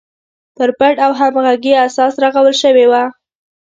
پر پټ او همغږي اساس رغول شوې وه.